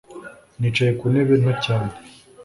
Nicaye ku ntebe nto cyane